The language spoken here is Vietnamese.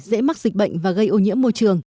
dễ mắc dịch bệnh và gây ô nhiễm môi trường